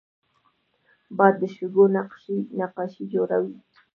باد د شګو نقاشي جوړوي